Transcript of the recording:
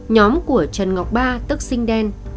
nhóm của trần ngọc ba tức sinh đen